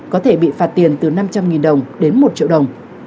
có thể bị phạt tiền từ năm trăm linh đồng đến một triệu đồng